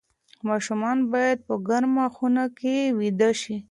ماشومان باید په ګرمه خونه کې ویده شي.